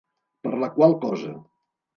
Per la qual cosa.